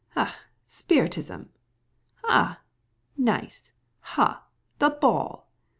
Ah! spiritualism! Ah! Nice! Ah! the ball!"